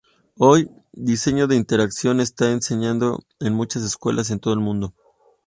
Hoy, Diseño de Interacción está enseñado en muchas escuelas en todo el mundo.